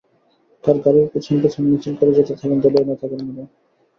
তাঁর গাড়ির পেছন পেছন মিছিল করে যেতে থাকেন দলীয় নেতা কর্মীরা।